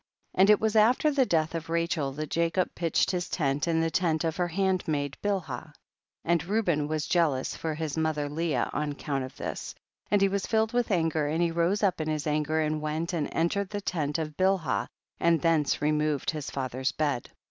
13. And it was after the death of Rachel, that Jacob pitched his tent in the tent of her hand maid Bilhah. 14. And Reuben was jealous for his mother Leah on account of this, and he was filled with anger, and he rose up in his anger and went and entered the tent of Bilhah and he thence removed his father's bed.